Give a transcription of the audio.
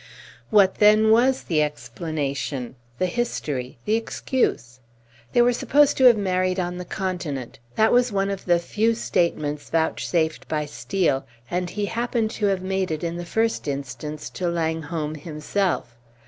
What, then, was the explanation the history the excuse? They were supposed to have married on the Continent; that was one of the few statements vouchsafed by Steel, and he happened to have made it in the first instance to Langholm himself.